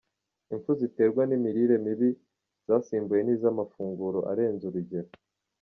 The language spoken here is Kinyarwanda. Impfu ziterwa n’imirire mibi zasimbuwe n’iz’amafunguro arenze urugero